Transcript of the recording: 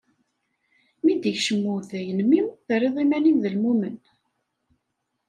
Mi d-ikcem uday n mmi-m, terriḍ iman-im d lmumen.